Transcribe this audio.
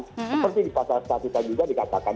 seperti di pasal statista juga dikatakan